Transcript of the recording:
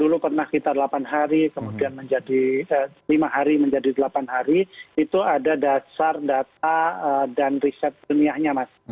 dulu pernah kita delapan hari kemudian menjadi lima hari menjadi delapan hari itu ada dasar data dan riset ilmiahnya mas